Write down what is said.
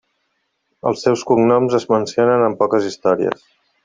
Els seus cognoms es mencionen en poques històries.